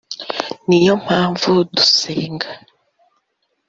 ni yo mpamvu dusenga